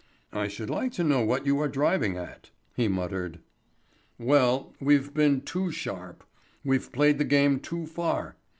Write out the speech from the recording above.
"I should like to know what you are driving at," he muttered. "Well, we've been too sharp. We've played the game too far.